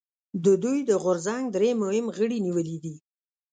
د دوی د غورځنګ درې مهم غړي نیولي دي